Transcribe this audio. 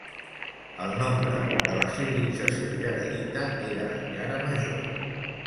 El nombre de la civilització Jaredita era encara major.